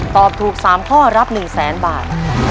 ตอบถูก๓ข้อรับ๑แสนบาท